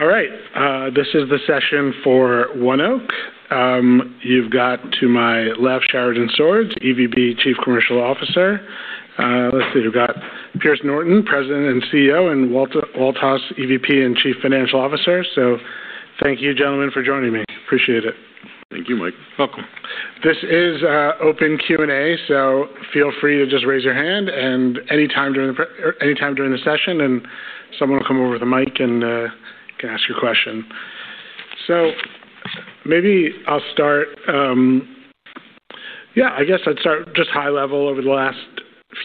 All right. This is the session for ONEOK. You've got to my left, Sheridan Swords, EVP, Chief Commercial Officer. Let's see. We've got Pierce Norton, President and CEO, and Walt Hulse, EVP and Chief Financial Officer. So thank you, gentlemen, for joining me. Appreciate it. Thank you, Mike. Welcome. This is open Q&A, so feel free to just raise your hand at any time during the session, and someone will come over with a mic and can ask your question. So maybe I'll start. Yeah, I guess I'd start just high level over the last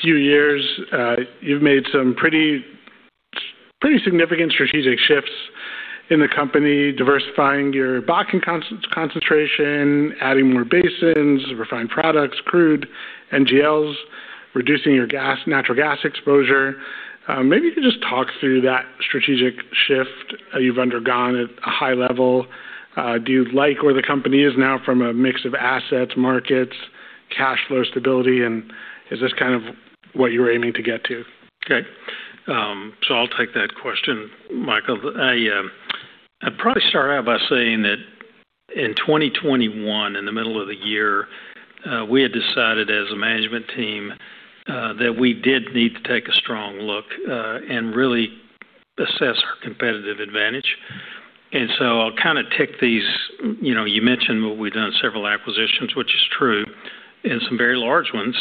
few years. You've made some pretty significant strategic shifts in the company, diversifying your pipeline concentration, adding more basins, refined products, crude NGLs, reducing your natural gas exposure. Maybe you could just talk through that strategic shift you've undergone at a high level. Do you like where the company is now from a mix of assets, markets, cash flow stability, and is this kind of what you were aiming to get to? Okay. So I'll take that question, Michael. I'd probably start out by saying that in 2021, in the middle of the year, we had decided as a management team that we did need to take a strong look and really assess our competitive advantage. And so I'll kind of take these—you mentioned what we've done several acquisitions, which is true, and some very large ones.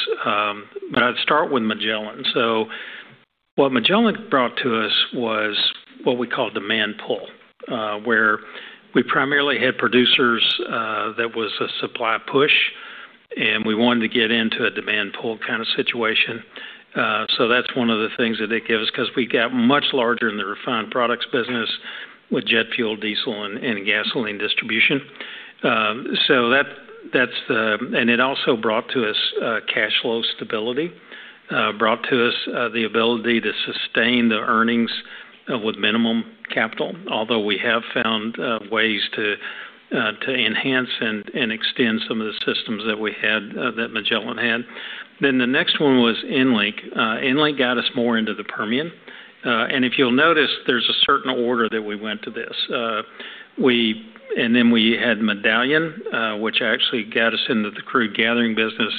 But I'd start with Magellan. So what Magellan brought to us was what we call demand pull, where we primarily had producers; that was a supply push, and we wanted to get into a demand pull kind of situation. So that's one of the things that it gave us because we got much larger in the refined products business with jet fuel, diesel, and gasoline distribution. So that's the and it also brought to us cash flow stability, brought to us the ability to sustain the earnings with minimum capital, although we have found ways to enhance and extend some of the systems that we had that Magellan had. Then the next one was EnLink. EnLink got us more into the Permian. And if you'll notice, there's a certain order that we went to this. And then we had Medallion, which actually got us into the crude gathering business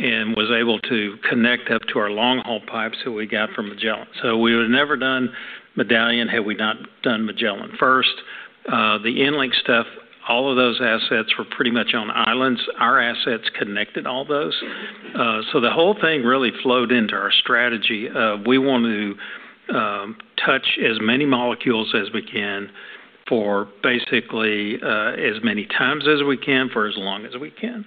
and was able to connect up to our long-haul pipes that we got from Magellan. So we would have never done Medallion had we not done Magellan first. The EnLink stuff, all of those assets were pretty much on islands. Our assets connected all those. So the whole thing really flowed into our strategy of we want to touch as many molecules as we can for basically as many times as we can for as long as we can.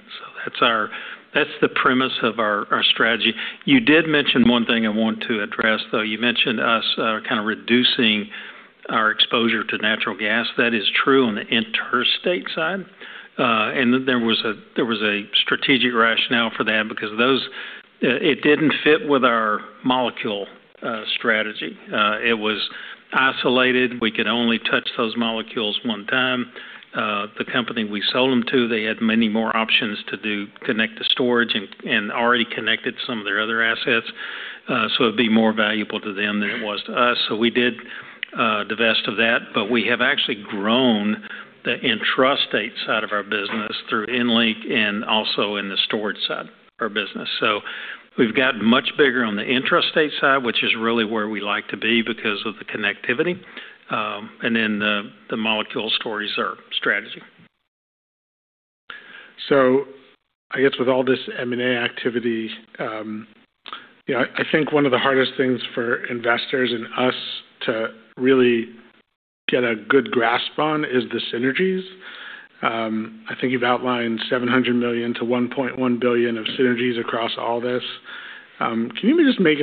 So that's the premise of our strategy. You did mention one thing I want to address, though. You mentioned us kind of reducing our exposure to natural gas. That is true on the interstate side. And then there was a strategic rationale for that because it didn't fit with our molecule strategy. It was isolated. We could only touch those molecules one time. The company we sold them to, they had many more options to connect to storage and already connected some of their other assets. So it'd be more valuable to them than it was to us. So we did the best of that. We have actually grown the intrastate side of our business through EnLink and also in the storage side of our business. We've gotten much bigger on the intrastate side, which is really where we like to be because of the connectivity. The molecule story's our strategy. So I guess with all this M&A activity, I think one of the hardest things for investors and us to really get a good grasp on is the synergies. I think you've outlined $700 million-$1.1 billion of synergies across all this. Can you just maybe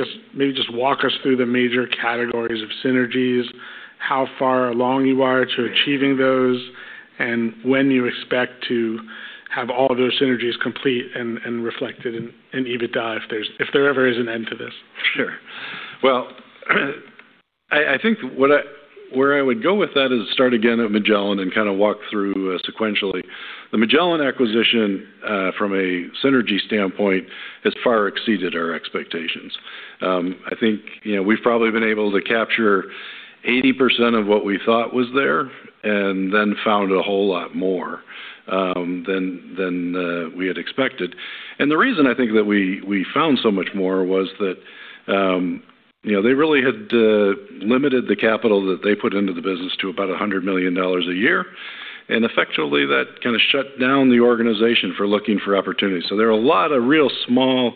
walk us through the major categories of synergies, how far along you are to achieving those, and when you expect to have all those synergies complete and reflected in EBITDA if there ever is an end to this? Sure. Well, I think where I would go with that is start again at Magellan and kind of walk through sequentially. The Magellan acquisition, from a synergy standpoint, has far exceeded our expectations. I think we've probably been able to capture 80% of what we thought was there and then found a whole lot more than we had expected. And the reason I think that we found so much more was that they really had limited the capital that they put into the business to about $100 million a year. And effectively, that kind of shut down the organization for looking for opportunities. So there are a lot of real small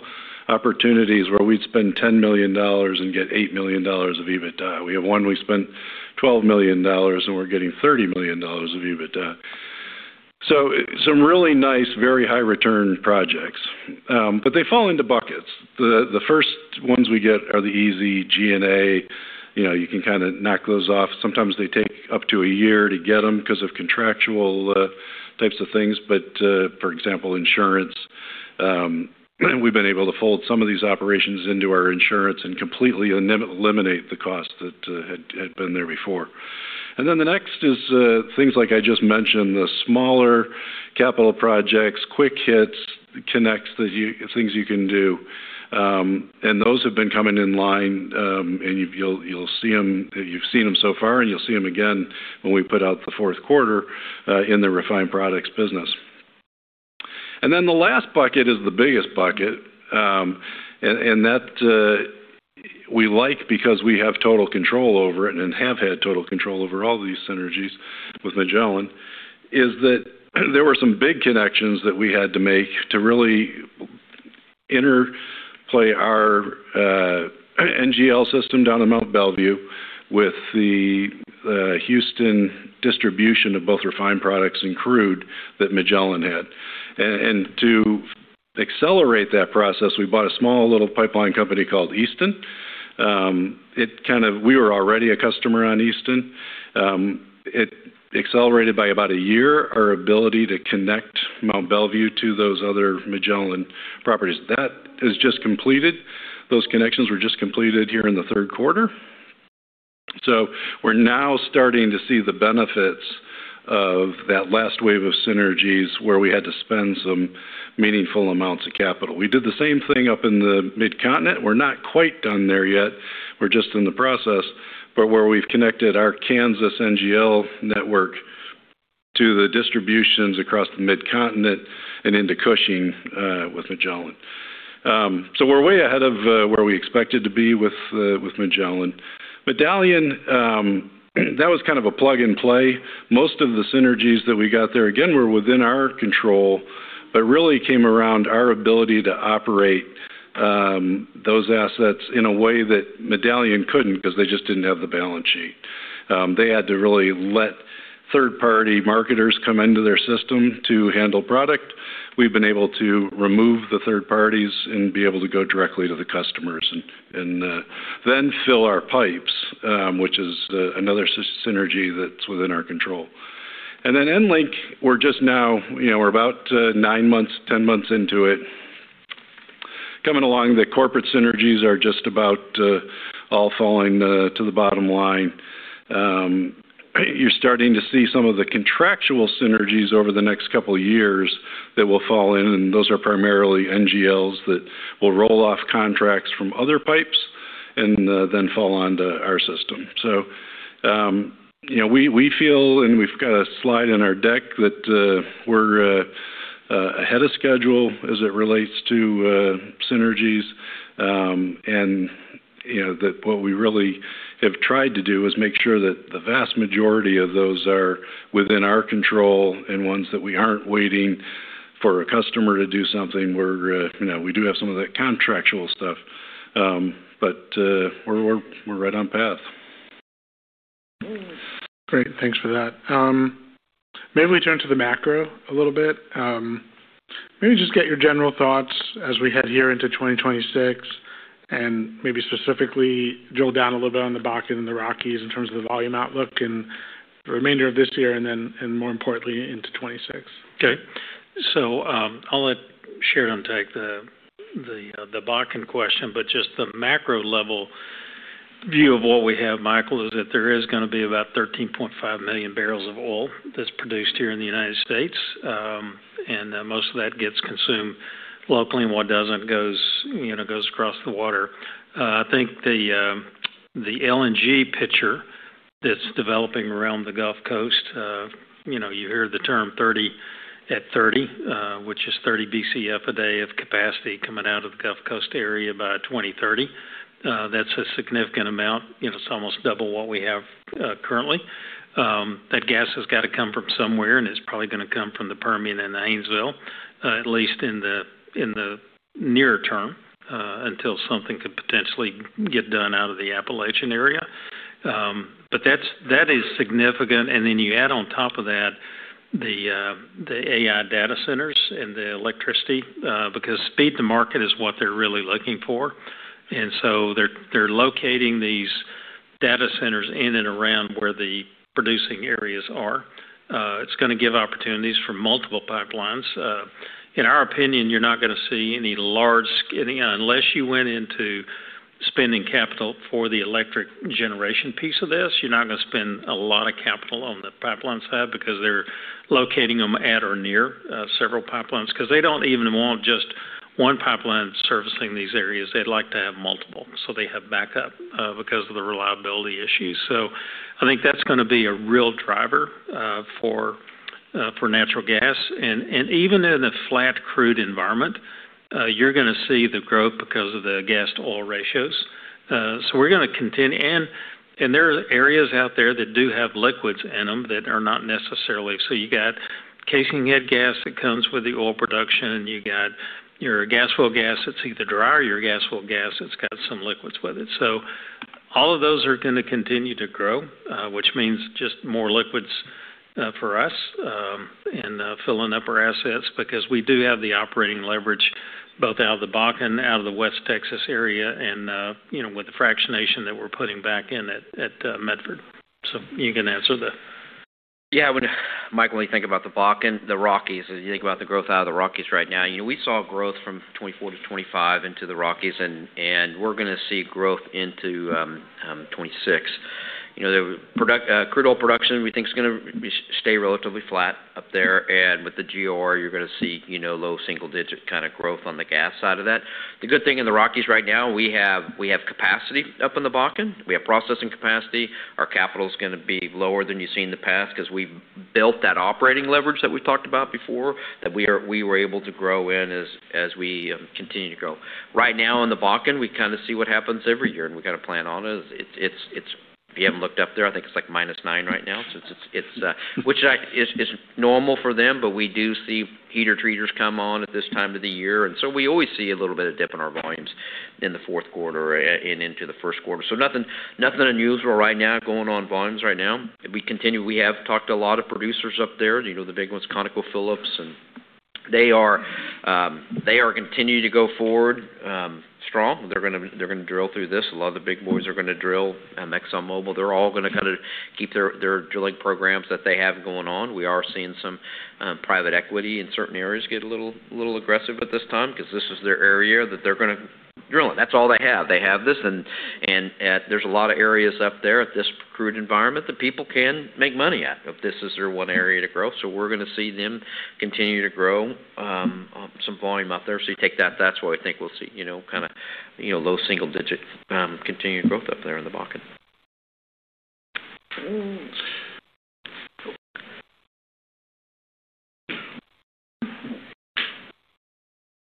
opportunities where we'd spend $10 million and get $8 million of EBITDA. We have one we spent $12 million, and we're getting $30 million of EBITDA. So some really nice, very high-return projects. But they fall into buckets. The first ones we get are the easy G&A. You can kind of knock those off. Sometimes they take up to a year to get them because of contractual types of things. But for example, insurance, we've been able to fold some of these operations into our insurance and completely eliminate the cost that had been there before. And then the next is things like I just mentioned, the smaller capital projects, quick hits, capex, things you can do. And those have been coming in line, and you'll see them, you've seen them so far, and you'll see them again when we put out the fourth quarter in the refined products business. And then the last bucket is the biggest bucket. That we like because we have total control over it and have had total control over all these synergies with Magellan, is that there were some big connections that we had to make to really interplay our NGL system down in Mount Belvieu with the Houston distribution of both refined products and crude that Magellan had. To accelerate that process, we bought a small little pipeline company called Easton. We were already a customer on Easton. It accelerated by about a year our ability to connect Mount Belvieu to those other Magellan properties. That is just completed. Those connections were just completed here in the third quarter. We're now starting to see the benefits of that last wave of synergies where we had to spend some meaningful amounts of capital. We did the same thing up in the Mid-Continent. We're not quite done there yet. We're just in the process, but where we've connected our Kansas NGL network to the distributions across the Mid-Continent and into Cushing with Magellan, so we're way ahead of where we expected to be with Magellan. Medallion, that was kind of a plug and play. Most of the synergies that we got there, again, were within our control, but really came around our ability to operate those assets in a way that Medallion couldn't because they just didn't have the balance sheet. They had to really let third-party marketers come into their system to handle product. We've been able to remove the third parties and be able to go directly to the customers and then fill our pipes, which is another synergy that's within our control, and then EnLink, we're just now, we're about nine months, 10 months into it. Coming along, the corporate synergies are just about all falling to the bottom line. You're starting to see some of the contractual synergies over the next couple of years that will fall in, and those are primarily NGLs that will roll off contracts from other pipes and then fall onto our system, so we feel (and we've got a slide in our deck) that we're ahead of schedule as it relates to synergies, and what we really have tried to do is make sure that the vast majority of those are within our control and ones that we aren't waiting for a customer to do something, we do have some of that contractual stuff, but we're right on path. Great. Thanks for that. Maybe we turn to the macro a little bit. Maybe just get your general thoughts as we head here into 2026 and maybe specifically drill down a little bit on the Bakken and the Rockies in terms of the volume outlook and the remainder of this year and then, more importantly, into 2026. Okay. I'll let Sheridan take the Bakken question. But just the macro level view of what we have, Michael, is that there is going to be about 13.5 million barrels of oil that's produced here in the United States. And most of that gets consumed locally. What doesn't goes across the water. I think the LNG picture that's developing around the Gulf Coast. You hear the term 30 at 30, which is 30 BCF a day of capacity coming out of the Gulf Coast area by 2030. That's a significant amount. It's almost double what we have currently. That gas has got to come from somewhere, and it's probably going to come from the Permian and the Haynesville, at least in the near term until something could potentially get done out of the Appalachian area. But that is significant. And then you add on top of that the AI data centers and the electricity because speed to market is what they're really looking for. And so they're locating these data centers in and around where the producing areas are. It's going to give opportunities for multiple pipelines. In our opinion, you're not going to see any large, unless you went into spending capital for the electric generation piece of this, you're not going to spend a lot of capital on the pipeline side because they're locating them at or near several pipelines because they don't even want just one pipeline servicing these areas. They'd like to have multiple so they have backup because of the reliability issues. So I think that's going to be a real driver for natural gas. And even in a flat crude environment, you're going to see the growth because of the gas-to-oil ratios. We're going to continue, and there are areas out there that do have liquids in them that are not necessarily. You got casinghead gas that comes with the oil production, and you got your gas well gas that's either dry or your gas well gas that's got some liquids with it. All of those are going to continue to grow, which means just more liquids for us and filling up our assets because we do have the operating leverage both out of the Bakken, out of the West Texas area, and with the fractionation that we're putting back in at Medford. You can answer the. Yeah. When Michael and I think about the Bakken, the Rockies, you think about the growth out of the Rockies right now. We saw growth from 2024 to 2025 into the Rockies, and we're going to see growth into 2026. Crude oil production, we think, is going to stay relatively flat up there. And with the GOR, you're going to see low single-digit kind of growth on the gas side of that. The good thing in the Rockies right now, we have capacity up in the Bakken. We have processing capacity. Our capital is going to be lower than you've seen in the past because we've built that operating leverage that we've talked about before that we were able to grow in as we continue to grow. Right now, in the Bakken, we kind of see what happens every year, and we kind of plan on it. If you haven't looked up there, I think it's like minus nine degrees Fahrenheit right now, which is normal for them, but we do see heater treaters come on at this time of the year, and so we always see a little bit of dip in our volumes in the fourth quarter and into the first quarter, so nothing unusual right now going on volumes right now. We have talked to a lot of producers up there. The big one's ConocoPhillips, and they are continuing to go forward strong. They're going to drill through this. A lot of the big boys are going to drill. ExxonMobil, they're all going to kind of keep their drilling programs that they have going on. We are seeing some private equity in certain areas get a little aggressive at this time because this is their area that they're going to drill in. That's all they have. They have this, and there's a lot of areas up there at this crude environment that people can make money at if this is their one area to grow, so we're going to see them continue to grow some volume up there, so you take that. That's what I think we'll see kind of low single-digit continued growth up there in the Bakken.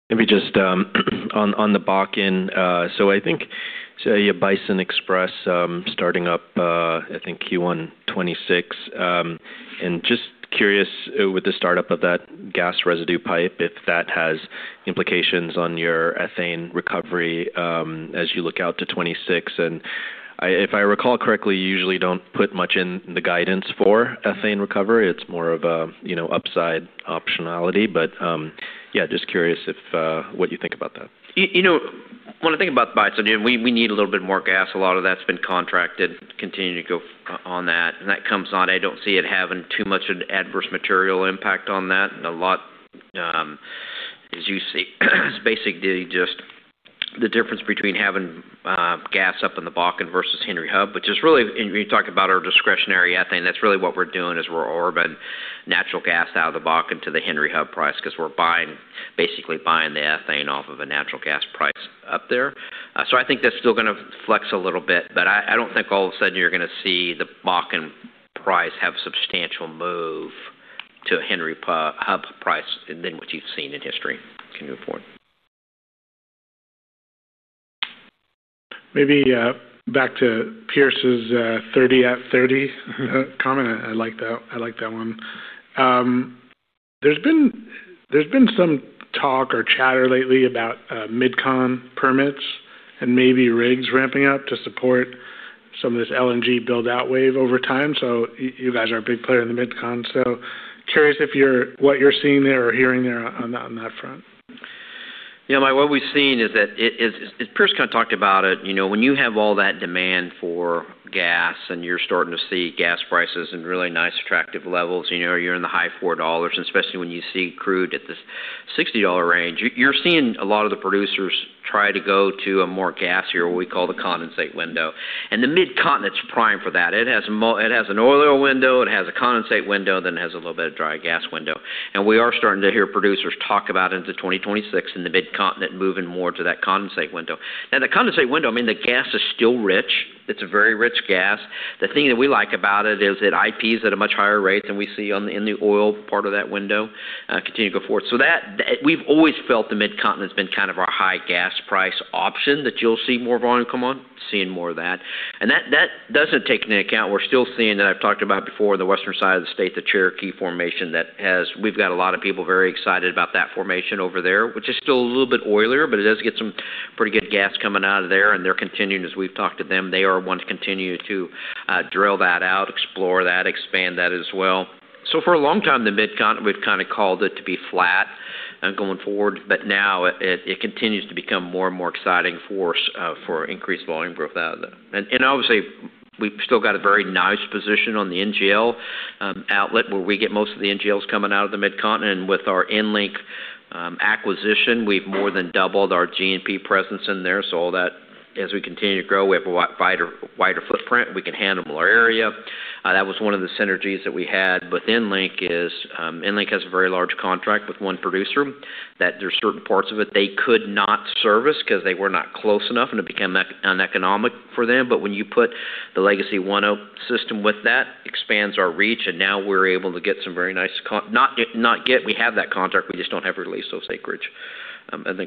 Maybe just on the Bakken. So I think you have Bison Express starting up, I think Q1 2026. And just curious with the startup of that residue gas pipe, if that has implications on your ethane recovery as you look out to 2026. And if I recall correctly, you usually don't put much in the guidance for ethane recovery. It's more of an upside optionality. But yeah, just curious what you think about that. When I think about Bison again, we need a little bit more gas. A lot of that's been contracted. Continue to go on that. And that comes on. I don't see it having too much of an adverse material impact on that. A lot, as you see, is basically just the difference between having gas up in the Bakken versus Henry Hub. But just really, when you talk about our discretionary ethane, that's really what we're doing is we're arbitraging natural gas out of the Bakken to the Henry Hub price because we're basically buying the ethane off of a natural gas price up there. So I think that's still going to flex a little bit. But I don't think all of a sudden you're going to see the Bakken price have a substantial move to a Henry Hub price than what you've seen in history. Can you move forward? Maybe back to Pierce's 30 at 30 comment. I like that one. There's been some talk or chatter lately about MidCon permits and maybe rigs ramping up to support some of this LNG build-out wave over time. So you guys are a big player in the MidCon. So curious what you're seeing there or hearing there on that front. Yeah. Mike, what we've seen is that Pierce kind of talked about it. When you have all that demand for gas and you're starting to see gas prices in really nice attractive levels, you're in the high $4, especially when you see crude at this $60 range. You're seeing a lot of the producers try to go to a more gassier, what we call the condensate window. The Mid-Continent's primed for that. It has an oil window. It has a condensate window. Then it has a little bit of dry gas window. We are starting to hear producers talk about into 2026 and the Mid-Continent moving more to that condensate window. Now, the condensate window, I mean, the gas is still rich. It's a very rich gas. The thing that we like about it is it IPs at a much higher rate than we see in the oil part of that window continue to go forward. So we've always felt the Mid-Continent's been kind of our high gas price option that you'll see more volume come on, seeing more of that. And that doesn't take into account we're still seeing that I've talked about before in the western side of the state, the Cherokee Formation that we've got a lot of people very excited about that formation over there, which is still a little bit oilier, but it does get some pretty good gas coming out of there. And they're continuing, as we've talked to them, they are wanting to continue to drill that out, explore that, expand that as well. For a long time, the Mid-Continent, we've kind of called it to be flat going forward. But now it continues to become more and more exciting for us for increased volume growth out of there. And obviously, we've still got a very nice position on the NGL outlet where we get most of the NGLs coming out of the Mid-Continent. And with our EnLink acquisition, we've more than doubled our NGL presence in there. So as we continue to grow, we have a wider footprint. We can handle more area. That was one of the synergies that we had with EnLink. EnLink has a very large contract with one producer that there's certain parts of it they could not service because they were not close enough, and it became uneconomic for them. But when you put the legacy ONEOK system with that, it expands our reach. And now we're able to get some very nice, not yet we have that contract. We just don't have to release those acreage.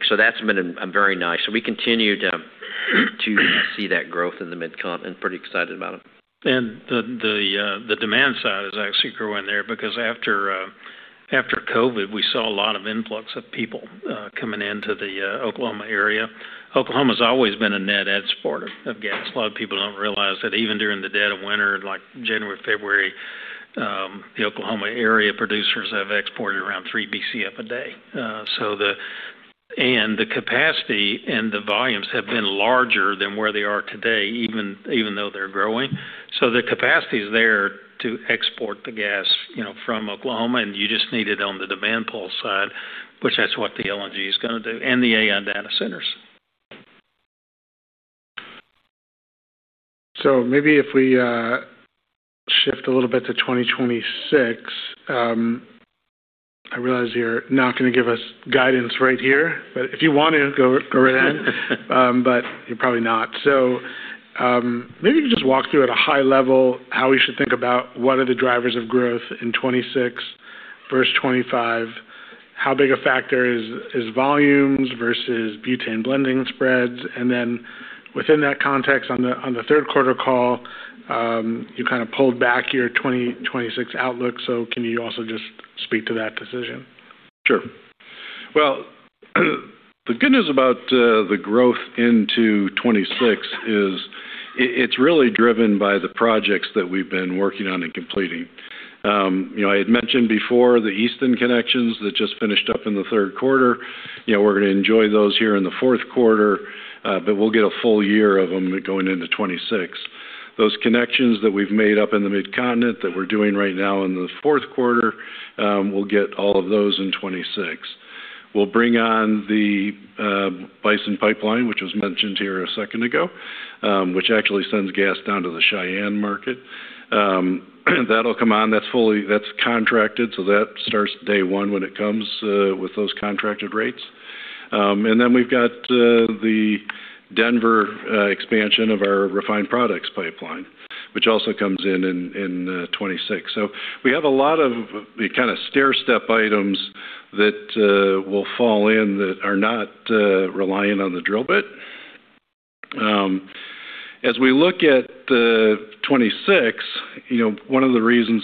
So that's been very nice. So we continue to see that growth in the Mid-Continent. Pretty excited about it. The demand side is actually growing there because after COVID, we saw a lot of influx of people coming into the Oklahoma area. Oklahoma's always been a net exporter of gas. A lot of people don't realize that even during the dead of winter, like January, February, the Oklahoma area producers have exported around 3 CF a day. The capacity and the volumes have been larger than where they are today, even though they're growing. The capacity is there to export the gas from Oklahoma. You just need it on the demand pull side, which that's what the LNG is going to do, and the AI data centers. Maybe if we shift a little bit to 2026, I realize you're not going to give us guidance right here. If you want to, go right ahead. You're probably not. So maybe you could just walk through at a high level how we should think about what are the drivers of growth in 2026 versus 2025, how big a factor is volumes versus butane blending spreads. And then within that context, on the third quarter call, you kind of pulled back your 2026 outlook. So can you also just speak to that decision? Sure. The good news about the growth into 2026 is it's really driven by the projects that we've been working on and completing. I had mentioned before the Easton connections that just finished up in the third quarter. We're going to enjoy those here in the fourth quarter, but we'll get a full year of them going into 2026. Those connections that we've made up in the Mid-Continent that we're doing right now in the fourth quarter, we'll get all of those in 2026. We'll bring on the Bison Pipeline, which was mentioned here a second ago, which actually sends gas down to the Cheyenne market. That'll come on. That's contracted. So that starts day one when it comes with those contracted rates. And then we've got the Denver expansion of our refined products pipeline, which also comes in in 2026. So we have a lot of kind of stair-step items that will fall in that are not reliant on the drill bit. As we look at 2026, one of the reasons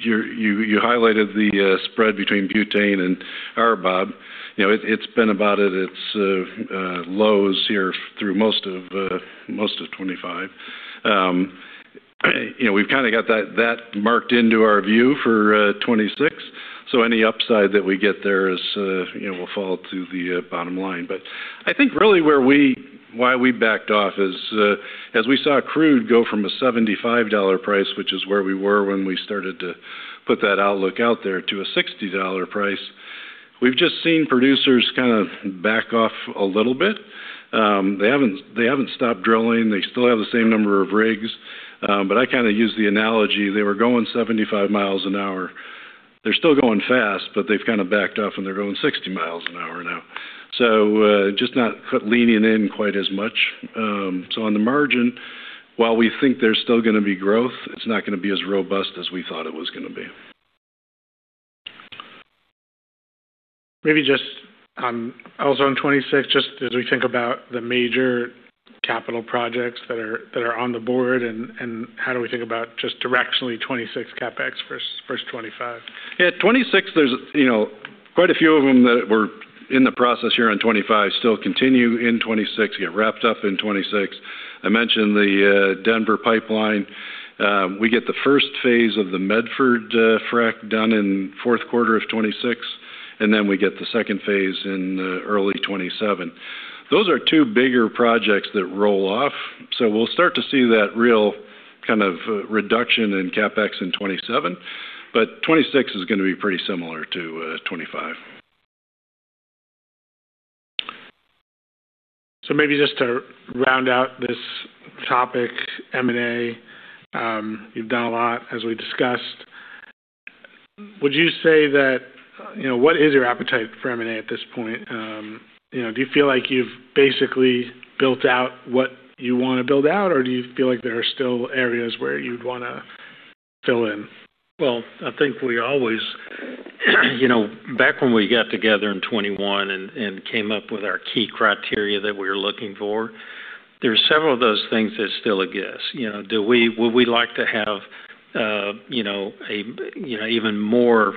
you highlighted the spread between butane and RBOB, it's been about at its lows here through most of 2025. We've kind of got that marked into our view for 2026. So any upside that we get there will fall to the bottom line. But I think really why we backed off is as we saw crude go from a $75 price, which is where we were when we started to put that outlook out there, to a $60 price. We've just seen producers kind of back off a little bit. They haven't stopped drilling. They still have the same number of rigs. But I kind of use the analogy. They were going 75 miles an hour. They're still going fast, but they've kind of backed off, and they're going 60 miles an hour now. So just not leaning in quite as much. So on the margin, while we think there's still going to be growth, it's not going to be as robust as we thought it was going to be. Maybe just also on 2026, just as we think about the major capital projects that are on the board and how do we think about just directionally 2026 CapEx versus 2025? Yeah. 2026, there's quite a few of them that were in the process here in 2025, still continue in 2026, get wrapped up in 2026. I mentioned the Denver pipeline. We get the first phase of the Medford Frac done in fourth quarter of 2026, and then we get the second phase in early 2027. Those are two bigger projects that roll off. So we'll start to see that real kind of reduction in CapEx in 2027. But 2026 is going to be pretty similar to 2025. So maybe just to round out this topic, M&A, you've done a lot, as we discussed. Would you say that what is your appetite for M&A at this point? Do you feel like you've basically built out what you want to build out, or do you feel like there are still areas where you'd want to fill in? Well, I think we always back when we got together in 2021 and came up with our key criteria that we were looking for, there are several of those things that still exist. Do we like to have even more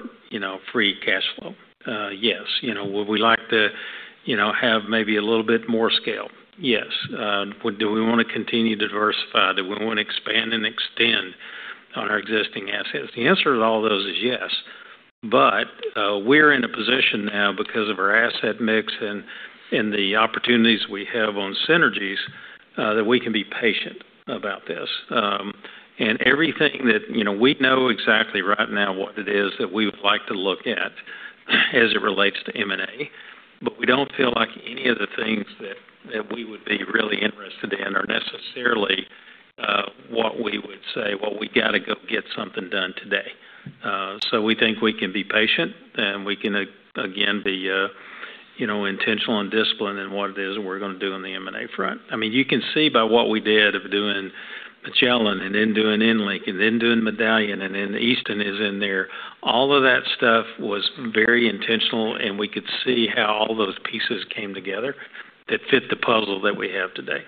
free cash flow? Yes. Would we like to have maybe a little bit more scale? Yes. Do we want to continue to diversify? Do we want to expand and extend on our existing assets? The answer to all those is yes. But we're in a position now because of our asset mix and the opportunities we have on synergies that we can be patient about this. And everything that we know exactly right now what it is that we would like to look at as it relates to M&A. But we don't feel like any of the things that we would be really interested in are necessarily what we would say, "Well, we got to go get something done today." So we think we can be patient, and we can, again, be intentional and disciplined in what it is that we're going to do on the M&A front. I mean, you can see by what we did of doing Magellan and then doing EnLink and then doing Medallion and then Easton is in there. All of that stuff was very intentional, and we could see how all those pieces came together that fit the puzzle that we have today.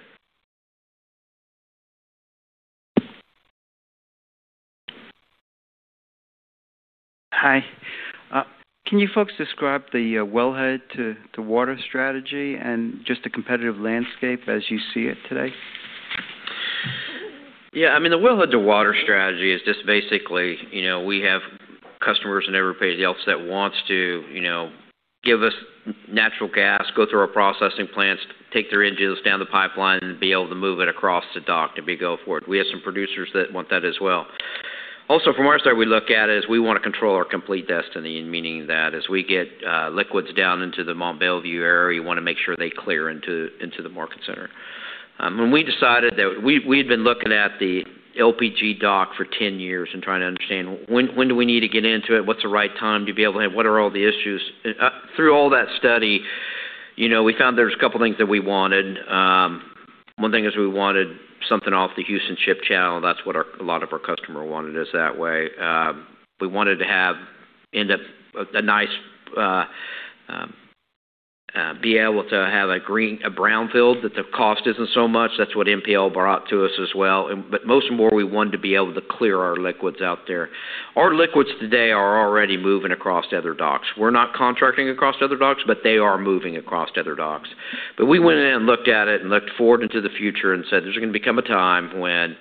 Hi. Can you folks describe the wellhead-to-water strategy and just the competitive landscape as you see it today? Yeah. I mean, the wellhead-to-water strategy is just basically we have customers and everybody else that wants to give us natural gas, go through our processing plants, take their NGLs down the pipeline, and be able to move it across the dock to be go forward. We have some producers that want that as well. Also, from our side, we look at it as we want to control our complete destiny, meaning that as we get liquids down into the Mount Belvieu area, you want to make sure they clear into the market center. When we decided that we had been looking at the LPG dock for 10 years and trying to understand when do we need to get into it, what's the right time to be able to have, what are all the issues. Through all that study, we found there's a couple of things that we wanted. One thing is we wanted something off the Houston Ship Channel. That's what a lot of our customers wanted is that way. We wanted to be able to have a brownfield that the cost isn't so much. That's what MPL brought to us as well. But most of all, we wanted to be able to clear our liquids out there. Our liquids today are already moving across other docks. We're not contracting across other docks, but they are moving across other docks. But we went in and looked at it and looked forward into the future and said, "There's going to become a time when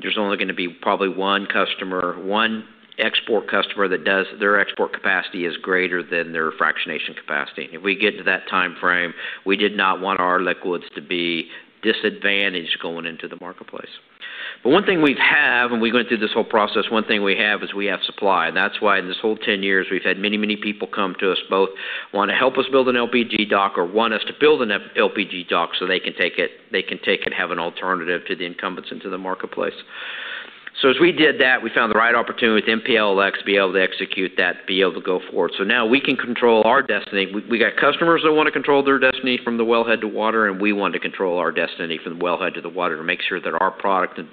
there's only going to be probably one customer, one export customer that does their export capacity is greater than their fractionation capacity." And if we get to that time frame, we did not want our liquids to be disadvantaged going into the marketplace. But one thing we have, and we went through this whole process, one thing we have is we have supply. And that's why in this whole 10 years, we've had many, many people come to us both want to help us build an LPG dock or want us to build an LPG dock so they can take it, have an alternative to the incumbents into the marketplace. As we did that, we found the right opportunity with MPLX to be able to execute that, be able to go forward. Now we can control our destiny. We got customers that want to control their destiny from the wellhead to water, and we want to control our destiny from the wellhead to the water to make sure that our product can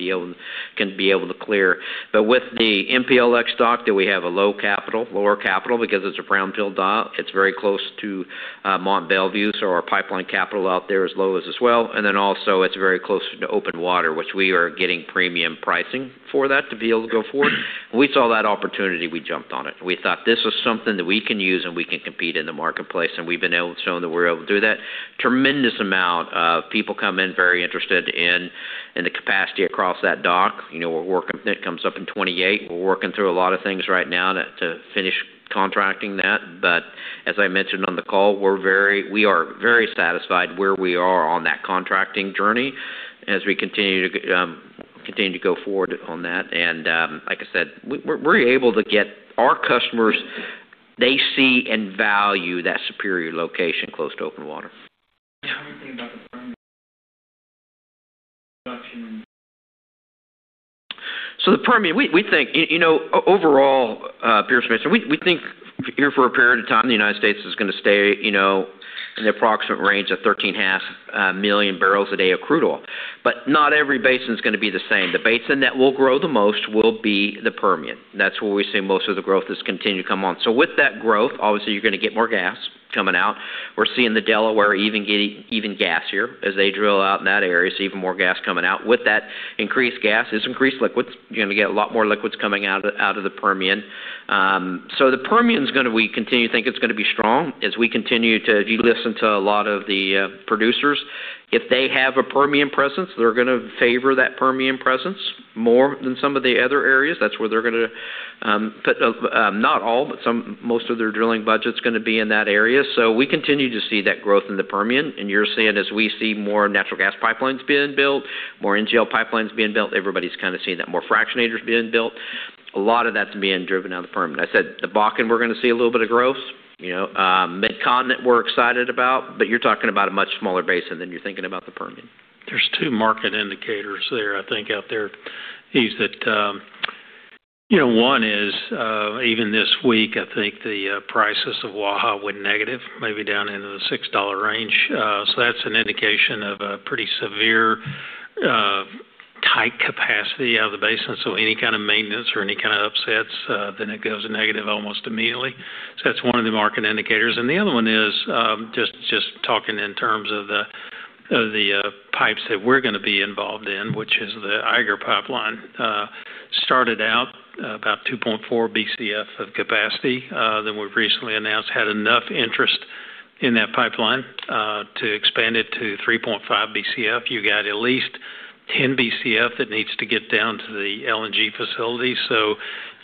be able to clear. But with the MPLX dock that we have a low capital, lower capital because it's a brownfield dock. It's very close to Mount Belvieu. Our pipeline capital out there is low as well. Then also, it's very close to open water, which we are getting premium pricing for that to be able to go forward. We saw that opportunity. We jumped on it. We thought this was something that we can use and we can compete in the marketplace. We've been able to show that we're able to do that. Tremendous amount of people come in very interested in the capacity across that dock. We're working that comes up in 2028. We're working through a lot of things right now to finish contracting that. But as I mentioned on the call, we are very satisfied where we are on that contracting journey as we continue to go forward on that. And like I said, we're able to get our customers, they see and value that superior location close to open water. So the premise, we think overall, Pierce, we think here for a period of time, the United States is going to stay in the approximate range of 13.5 million barrels a day of crude oil. But not every basin is going to be the same. The basin that will grow the most will be the Permian. That's where we see most of the growth is continuing to come on. So with that growth, obviously, you're going to get more gas coming out. We're seeing the Delaware even gassier as they drill out in that area. It's even more gas coming out. With that increased gas is increased liquids. You're going to get a lot more liquids coming out of the Permian. So the Permian is going to continue to think it's going to be strong as we continue to listen to a lot of the producers. If they have a Permian presence, they're going to favor that Permian presence more than some of the other areas. That's where they're going to put not all, but most of their drilling budget is going to be in that area, so we continue to see that growth in the Permian, and you're seeing as we see more natural gas pipelines being built, more NGL pipelines being built. Everybody's kind of seeing that more fractionators being built. A lot of that's being driven out of the Permian. I said the Bakken; we're going to see a little bit of growth. Mid-Continent, we're excited about, but you're talking about a much smaller basin than you're thinking about the Permian. There's two market indicators there, I think, out there. One is even this week, I think the prices of Waha went negative, maybe down into the $6 range. So that's an indication of a pretty severe tight capacity of the basin. So any kind of maintenance or any kind of upsets, then it goes negative almost immediately. So that's one of the market indicators. And the other one is just talking in terms of the pipes that we're going to be involved in, which is the Blackcomb Pipeline. Started out about 2.4 BCF of capacity. Then we've recently announced had enough interest in that pipeline to expand it to 3.5 BCF. You got at least 10 BCF that needs to get down to the LNG facility. So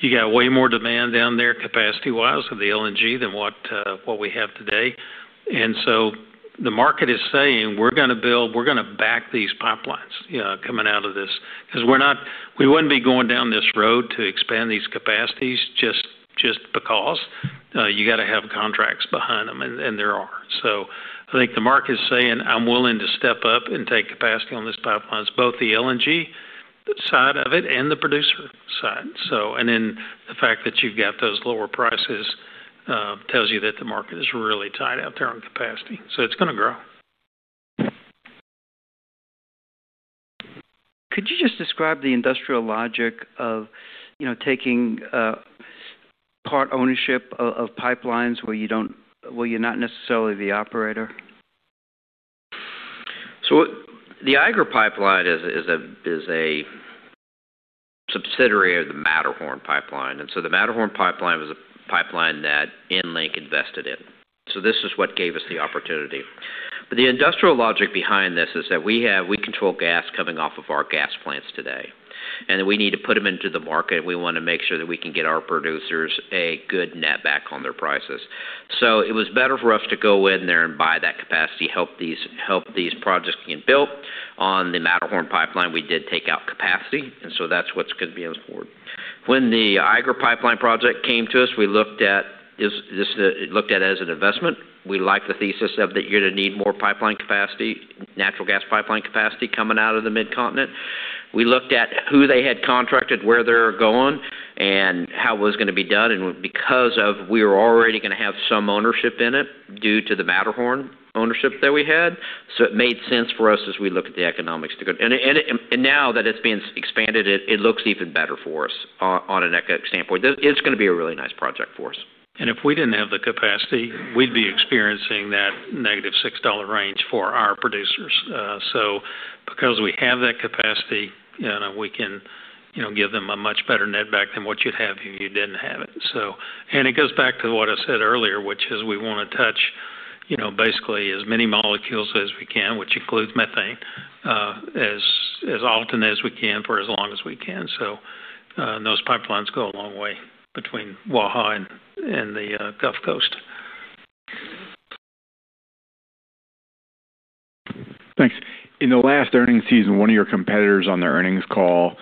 you got way more demand down there capacity-wise of the LNG than what we have today. And so the market is saying, "We're going to build, we're going to back these pipelines coming out of this." Because we wouldn't be going down this road to expand these capacities just because you got to have contracts behind them, and there are. So I think the market is saying, "I'm willing to step up and take capacity on these pipelines, both the LNG side of it and the producer side." And then the fact that you've got those lower prices tells you that the market is really tight out there on capacity. So it's going to grow. Could you just describe the industrial logic of taking part ownership of pipelines where you're not necessarily the operator? The Blackcomb pipeline is a subsidiary of the Matterhorn pipeline. The Matterhorn pipeline was a pipeline that EnLink invested in. This is what gave us the opportunity. The industrial logic behind this is that we control gas coming off of our gas plants today. We need to put them into the market. We want to make sure that we can get our producers a good netback on their prices. It was better for us to go in there and buy that capacity, help these projects get built. On the Matterhorn pipeline, we did take out capacity. That's what's going to be on the board. When the Blackcomb pipeline project came to us, we looked at it as an investment. We liked the thesis of that you're going to need more pipeline capacity, natural gas pipeline capacity coming out of the Mid-Continent. We looked at who they had contracted, where they're going, and how it was going to be done. And because we were already going to have some ownership in it due to the Matterhorn ownership that we had, so it made sense for us as we look at the economics to go. And now that it's being expanded, it looks even better for us on an economic standpoint. It's going to be a really nice project for us. And if we didn't have the capacity, we'd be experiencing that negative $6 range for our producers. So because we have that capacity, we can give them a much better netback than what you'd have if you didn't have it. And it goes back to what I said earlier, which is we want to touch basically as many molecules as we can, which includes methane, as often as we can for as long as we can. So those pipelines go a long way between Waha and the Gulf Coast. Thanks. In the last earnings season, one of your competitors on the earnings call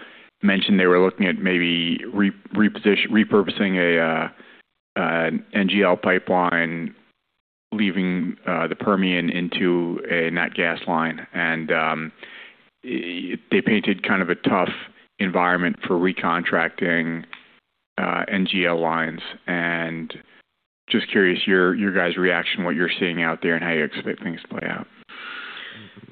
mentioned they were looking at maybe repurposing an NGL pipeline, leaving the Permian into a nat gas line. And they painted kind of a tough environment for recontracting NGL lines. And just curious, your guys' reaction, what you're seeing out there and how you expect things to play out. Yeah.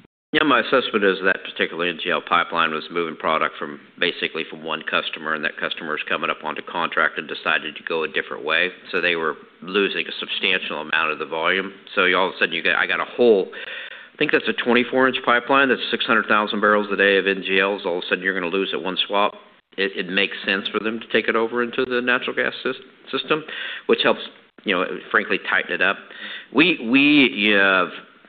My assessment is that particular NGL pipeline was moving product basically from one customer, and that customer is coming up onto contract and decided to go a different way. So they were losing a substantial amount of the volume. So all of a sudden, you get, "I got a whole, I think that's a 24-inch pipeline that's 600,000 barrels a day of NGLs. All of a sudden, you're going to lose it one swoop." It makes sense for them to take it over into the natural gas system, which helps, frankly, tighten it up.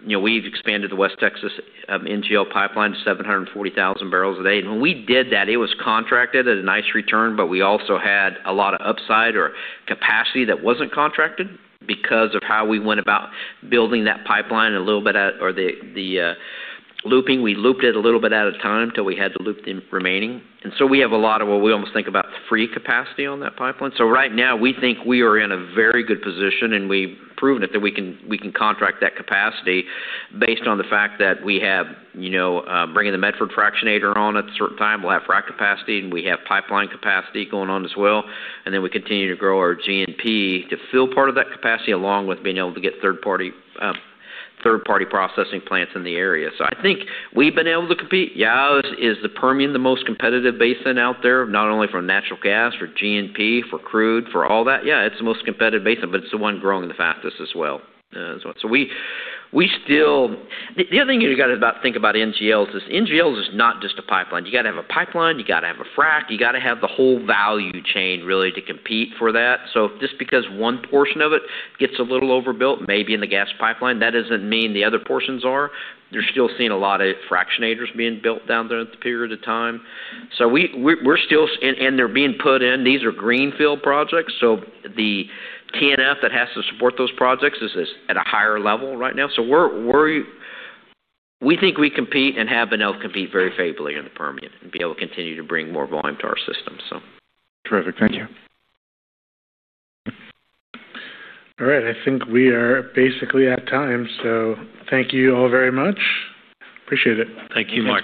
We've expanded the West Texas NGL Pipeline to 740,000 barrels a day. And when we did that, it was contracted at a nice return, but we also had a lot of upside or capacity that wasn't contracted because of how we went about building that pipeline a little bit or the looping. We looped it a little bit at a time until we had to loop the remaining. And so we have a lot of what we almost think about free capacity on that pipeline. So right now, we think we are in a very good position, and we've proven it that we can contract that capacity based on the fact that we have bringing the Medford fractionator on at a certain time. We'll have frac capacity, and we have pipeline capacity going on as well. And then we continue to grow our NGL to fill part of that capacity along with being able to get third-party processing plants in the area. So I think we've been able to compete. Yeah, is the Permian the most competitive basin out there? Not only for natural gas, for NGL, for crude, for all that. Yeah, it's the most competitive basin, but it's the one growing the fastest as well. So we still, the other thing you got to think about NGLs is NGLs is not just a pipeline. You got to have a pipeline. You got to have a frac. You got to have the whole value chain really to compete for that. So just because one portion of it gets a little overbuilt, maybe in the gas pipeline, that doesn't mean the other portions are. They're still seeing a lot of fractionators being built down there over that period of time. So we're still, and they're being put in. These are greenfield projects. So the throughput that has to support those projects is at a higher level right now. We think we compete and have been able to compete very favorably in the Permian and be able to continue to bring more volume to our system. Terrific. Thank you. All right. I think we are basically at time. So thank you all very much. Appreciate it. Thank you much.